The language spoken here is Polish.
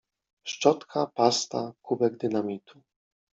Szczotka, pasta, kubek dynamitu.